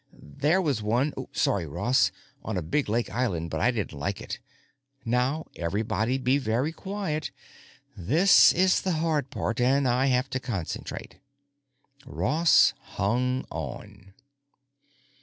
There was one—sorry, Ross—on a big lake inland, but I didn't like——Now everybody be very quiet. This is the hard part and I have to concentrate." Ross hung on.